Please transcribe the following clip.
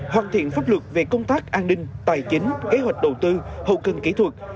hoàn thiện pháp luật về công tác an ninh tài chính kế hoạch đầu tư hậu cần kỹ thuật